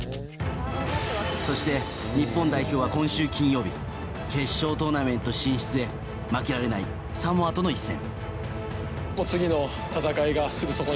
そして日本代表は今週金曜日決勝トーナメント進出へ負けられない、サモアとの一戦。